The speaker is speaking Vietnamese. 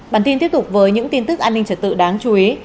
bản tin tiếp tục với những tin tức an ninh trật tự đáng chú ý